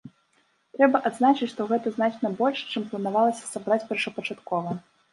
Трэба адзначыць, што гэта значна больш, чым планавалася сабраць першапачаткова.